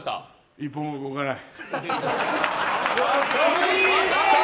一歩も動かない。